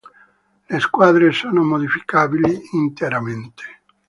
Le squadre sono modificabili interamente.